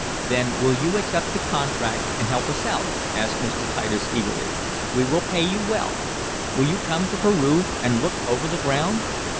"Then will you accept the contract, and help us out?" asked Mr. Titus eagerly. "We will pay you well. Will you come to Peru and look over the ground?"